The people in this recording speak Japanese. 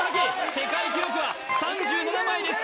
世界記録は３７枚です